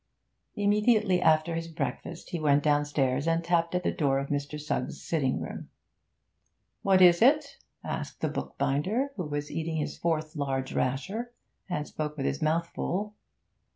Immediately after his breakfast he went downstairs and tapped at the door of Mr. Suggs' sitting room. 'What is it?' asked the bookbinder, who was eating his fourth large rasher, and spoke with his mouth full.